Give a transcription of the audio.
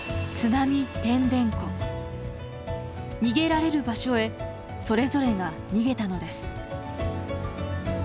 逃げられる場所へそれぞれが逃げたのです。